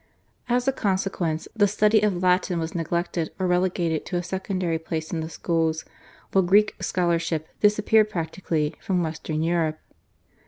As a consequence, the study of Latin was neglected or relegated to a secondary place in the schools, while Greek scholarship disappeared practically from Western Europe.